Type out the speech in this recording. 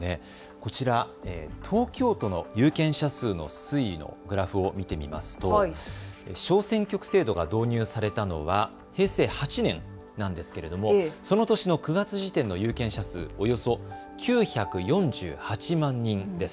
こちら東京都の有権者数の推移のグラフを見てみますと小選挙区制度が導入されたのは平成８年なんですけれどもその年の９月時点の有権者数およそ９４８万人です。